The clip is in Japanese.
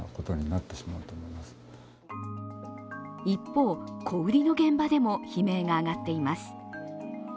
一方、小売りの現場でも悲鳴が上がっています。